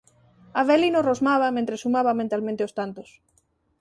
Avelino rosmaba mentres sumaba mentalmente os tantos.